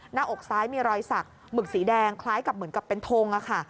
หน้าอกซ้ายมีรอยสักหมึกสีแดงคล้ายกับเหมือนกับเป็นทงค่ะ